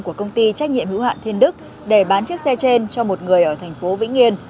của công ty trách nhiệm hữu hạn thiên đức để bán chiếc xe trên cho một người ở thành phố vĩnh yên